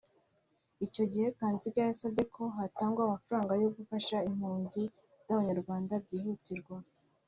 Icyo gihe Kanziga yasabye ko hatangwa amafaranga yo gufasha impunzi z’abanyarwanda byihutirwa